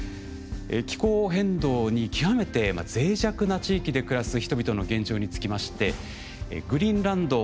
気候変動に極めて脆弱な地域で暮らす人々の現状につきましてグリーンランド